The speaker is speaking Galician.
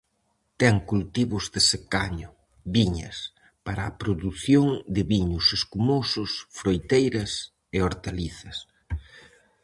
Ten cultivos de secaño, viñas, para a produción de viños escumosos, froiteiras e hortalizas.